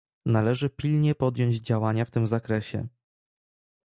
Należy pilnie podjąć działania w tym zakresie